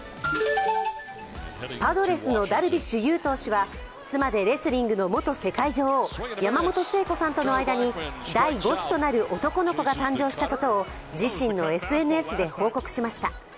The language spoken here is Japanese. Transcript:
パドレスのダルビッシュ有投手は妻でレスリングの元世界女王、山本聖子さんとの間に第５子となる男の子が誕生したことを自身のＳＮＳで報告しました。